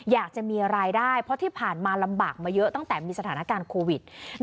อยากจะมีรายได้เพราะที่ผ่านมาลำบากมาเยอะตั้งแต่มีสถานการณ์โควิด